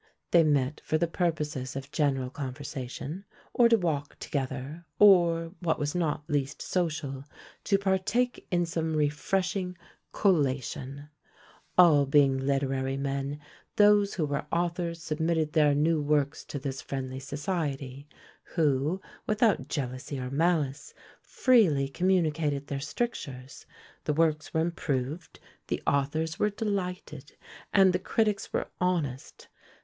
They met for the purposes of general conversation, or to walk together, or, what was not least social, to partake in some refreshing collation. All being literary men, those who were authors submitted their new works to this friendly society, who, without jealousy or malice, freely communicated their strictures; the works were improved, the authors were delighted, and the critics were honest!